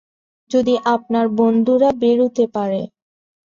যদি আপনার বন্ধুরা বেরোতে পারে।